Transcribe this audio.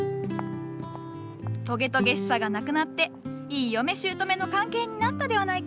トゲトゲしさがなくなっていい嫁しゅうとめの関係になったではないか。